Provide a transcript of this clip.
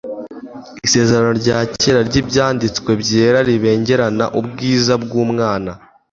Isezerano rya Kera ry’Ibyanditswe Byera ribengerana ubwiza bw’Umwana